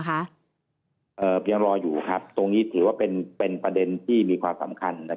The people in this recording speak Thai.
ยังรออยู่ครับตรงนี้ถือว่าเป็นประเด็นที่มีความสำคัญ